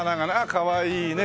かわいいね。